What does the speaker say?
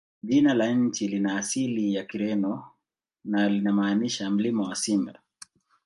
Jina la nchi lina asili ya Kireno na linamaanisha "Mlima wa Simba".